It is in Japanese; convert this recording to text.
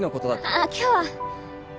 ああ今日は！